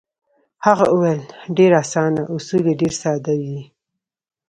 هغه وویل: ډېر اسانه، اصول یې ډېر ساده دي.